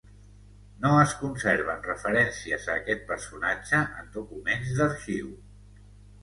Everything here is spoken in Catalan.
No es conserven referències a aquest personatge en documents d'arxiu.